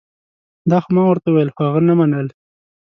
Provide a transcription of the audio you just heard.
دا خو ما ورته وویل خو هغه نه منل